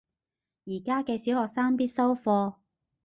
而家嘅小學生必修課